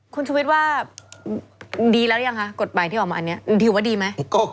คุณชุวิตว่าดีแล้วหรือยังคะกฎหมายที่ออกมาอันนี้ถือว่าดีไหม